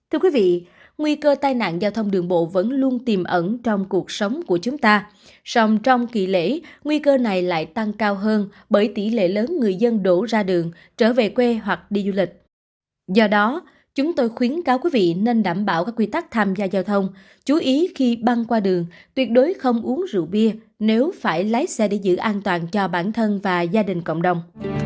hãy đăng kí cho kênh lalaschool để không bỏ lỡ những video hấp dẫn